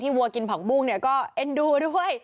วัวกินผักบุ้งเนี่ยก็เอ็นดูด้วย